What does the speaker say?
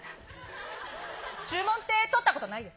注文って取ったことないです？